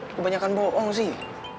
kebanyakan bohong sih